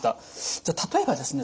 じゃあ例えばですね